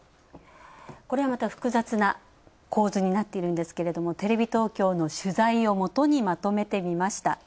これはまた複雑な構図になっているんですけれどもテレビ東京の取材をもとにまとめてみました。